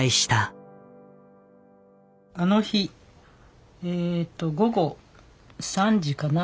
あの日えと午後３時かな